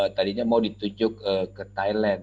tadinya mau ditunjuk ke thailand